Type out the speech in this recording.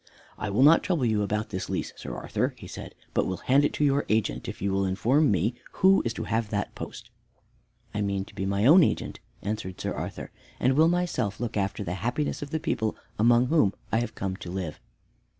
"I will not trouble you about this lease, Sir Arthur," he said, "but will hand it to your agent, if you will inform me who is to have that post." "I mean to be my own agent," answered Sir Arthur, "and will myself look after the happiness of the people among whom I have come to live."